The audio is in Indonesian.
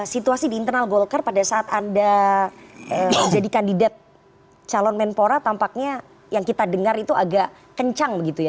situasi di internal golkar pada saat anda menjadi kandidat calon menpora tampaknya yang kita dengar itu agak kencang begitu ya